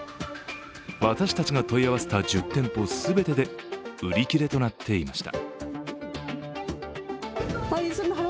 私たちが問い合わせた１０店舗全てで売り切れとなっていました。